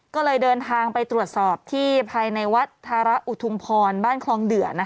ก็เลยเดินทางไปตรวจสอบที่ภายในวัดธาระอุทุมพรบ้านคลองเดือ